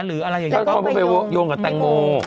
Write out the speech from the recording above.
แล้วก็ไปโยงกับแตงโม